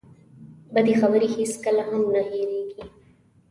بدې خبرې هېڅکله هم نه هېرېږي.